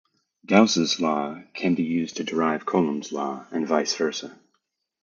Gauss' law can be used to derive Coulomb's law, and vice versa.